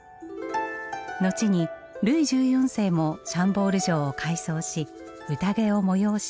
後にルイ１４世もシャンボール城を改装しうたげを催し